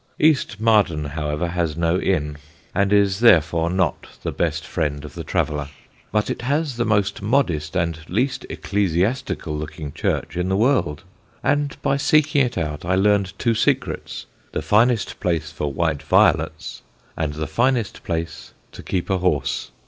East Marden, however, has no inn and is therefore not the best friend of the traveller; but it has the most modest and least ecclesiastical looking church in the world, and by seeking it out I learned two secrets: the finest place for white violets and the finest place to keep a horse.